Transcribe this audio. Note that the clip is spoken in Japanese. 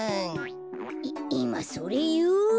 いいまそれいう？